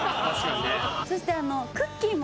そして。